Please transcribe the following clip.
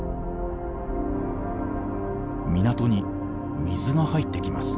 港に水が入ってきます。